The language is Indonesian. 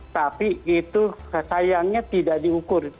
tapi itu sayangnya tidak diukur